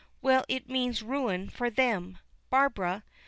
Well, it means ruin for them, Barbara.